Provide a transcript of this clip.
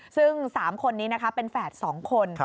ซึ่ง๓คนนี้นะคะเป็นแฝด๒คน